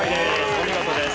お見事です。